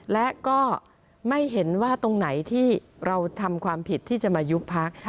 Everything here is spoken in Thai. และก็ไม่เห็นว่าตรงไหนที่เราทำความผิดที่จะมายุบพัก